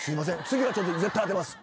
次は絶対当てます。